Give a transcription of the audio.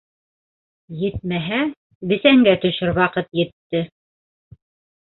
Етмәһә, бесәнгә төшөр ваҡыт етте.